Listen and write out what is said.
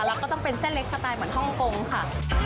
แล้วก็ต้องเป็นเส้นเล็กสไตล์เหมือนฮ่องกงค่ะ